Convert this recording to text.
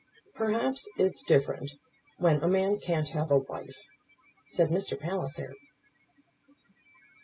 "Perhaps it's different, when a man can't have a wife," said Mr. Palliser.